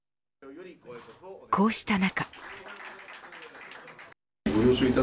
こうした中。